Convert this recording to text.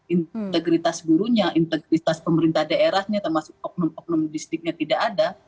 integritas gurunya integritas pemerintah daerahnya termasuk oknum oknum distiknya tidak ada